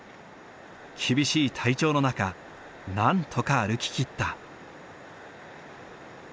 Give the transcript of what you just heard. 厳しい体調の中なんとか歩ききった。